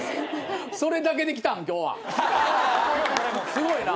すごいな。